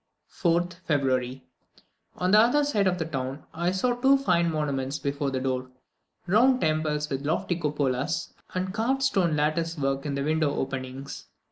4th February. On the other side of the town, I saw two fine monuments before the door, round temples with lofty cupolas, and carved stone lattice work in the window openings.